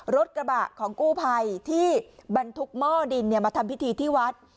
รถกระบะของกู้ภัยที่บรรทุกหม้อดินมาทำพิธีที่วัด